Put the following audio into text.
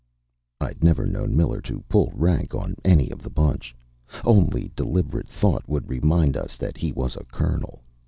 I'd never known Miller to pull rank on any of the bunch. Only deliberate thought would remind us that he was a colonel.